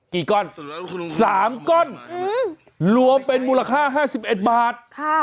กี่ก้อน๓ก้อนรวมเป็นมูลค่า๕๑บาท